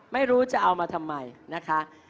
ไม่รู้จะเอามาทำไมนะคะ